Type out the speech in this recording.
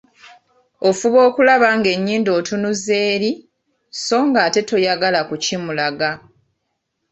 Ofuba okulaba ng'ennyindo otunuza eri, so ng'ate toyagala kukimulaga.